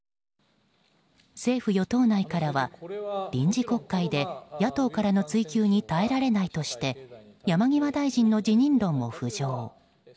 政府与党内からは、臨時国会で野党からの追及に耐えられないとして山際大臣の辞任論も浮上。